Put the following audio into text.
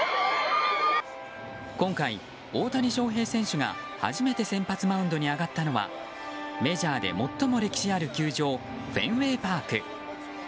今回、大谷翔平選手が初めて先発マウンドに上がったのはメジャーで最も歴史ある球場フェンウェイ・パーク。